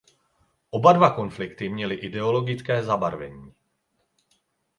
Oba dva konflikty měly ideologické zabarvení.